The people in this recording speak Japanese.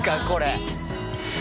これ。